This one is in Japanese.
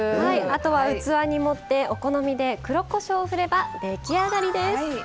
あとは器に盛ってお好みで黒こしょうをふれば出来上がりです。